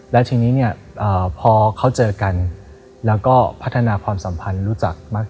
และทีนี้พอเขาเจอกันแล้วก็พัฒนาความสัมพันธ์เลือกรู้จักบ้าง